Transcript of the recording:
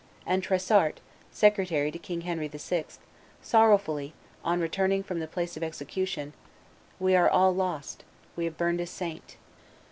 And Tressart, secretary to King Henry VI., said sorrowfully, on returning from the place of execution, "We are all lost; we have burned a saint."